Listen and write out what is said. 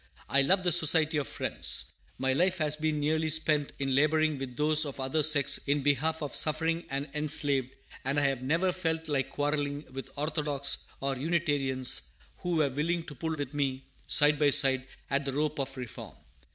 I love the Society of Friends. My life has been nearly spent in laboring with those of other sects in behalf of the suffering and enslaved; and I have never felt like quarrelling with Orthodox or Unitarians, who were willing to pull with me, side by side, at the rope of Reform.